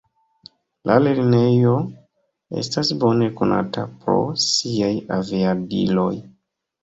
La lernejo estas bone konata pro siaj aviadiloj.